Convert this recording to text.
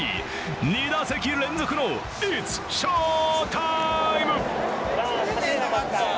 ２打席連続のイッツ・翔タイム。